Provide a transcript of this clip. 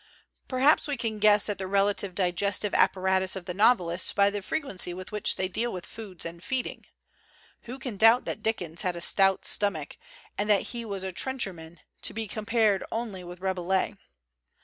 Perhaps we can guess at the relative digestive apparatus of the novelists by the frequency with which they deal with foods and feeding. Who can doubt that Dickens had a stout stomach and that he was a trencher man to be compared only with Rabelais?